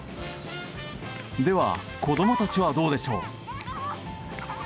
では、子供たちはどうでしょう。